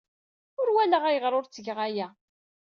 Ur walaɣ ayɣer ur ttgeɣ aya.